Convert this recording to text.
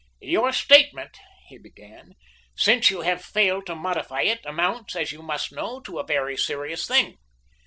"Your statement," he began, "since you have failed to modify it, amounts, as you must know, to a very serious thing.